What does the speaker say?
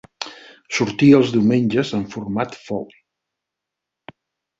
Sortia els diumenges en format foli.